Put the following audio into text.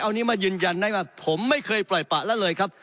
อันนี้มายืนยันได้ว่าผมไม่เคยปล่อยปะแล้วเลยครับ